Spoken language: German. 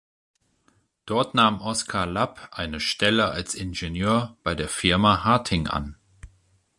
Dort nahm Oskar Lapp eine Stelle als Ingenieur bei der Firma Harting an.